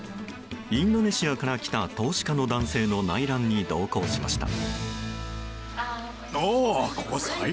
インドネシアから来た投資家の男性の内覧に同行しました。